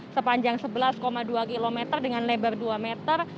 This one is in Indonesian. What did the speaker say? sepanjang sebelas dua km dengan lebar dua meter